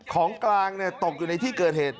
ของกลางตกอยู่ในที่เกิดเหตุ